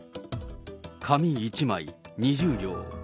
紙１枚２０行。